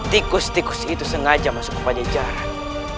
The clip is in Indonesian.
tikus tikus itu sengaja masuk ke pajajaran